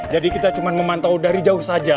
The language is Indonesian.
jadi kita cuma memantau dari jauh saja